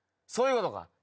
そういうことか。